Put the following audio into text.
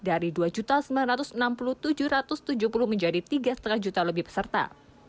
dari dua sembilan ratus enam puluh tujuh ratus tujuh puluh menjadi tiga lima juta lebih peserta